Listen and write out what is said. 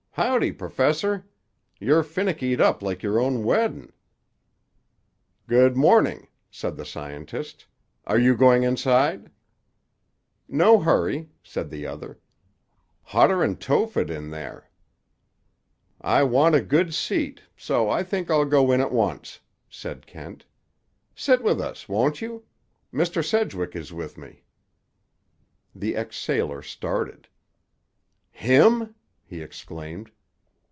"Howdy, Professor! You're finickied up like your own weddin'." "Good morning," said the scientist. "Are you going inside?" "No hurry," said the other. "Hotter'n Tophet in there." "I want a good seat; so I think I'll go in at once," said Kent. "Sit with us, won't you? Mr. Sedgwick is with me." The ex sailor started. "Him?" he exclaimed.